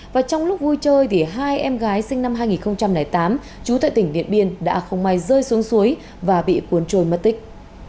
và trong lúc vui chơi hai em gái sinh năm hai nghìn tám trú tại tỉnh điện biên đã không may rơi xuống suối và bị cuốn trôi mất tích